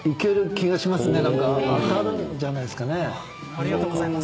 ありがとうございます。